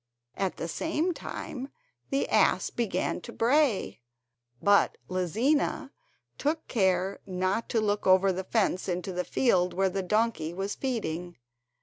At the same time the ass began to bray, but Lizina took care not to look over the fence into the field where the donkey was feeding.